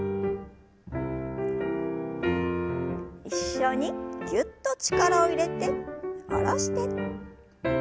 一緒にぎゅっと力を入れて下ろして。